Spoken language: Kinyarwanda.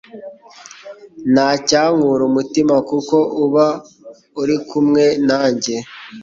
nta cyankura umutima kuko uba uri kumwe nanjye